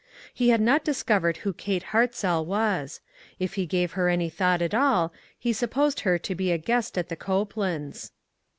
He had not discovered who Kate Hartzell was. If he gave her any thought at all, he * supposed her to be a guest at the Copelands.